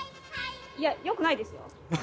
いやよくないですよ。